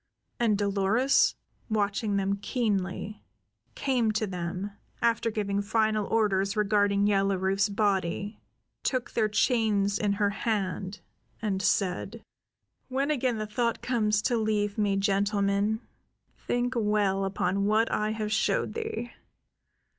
And Dolores, watching them keenly, came to them, after giving final orders regarding Yellow Rufe's body, took their chains in her hand, and said: "When again the thought comes to leave me, gentlemen, think well upon what I have showed thee.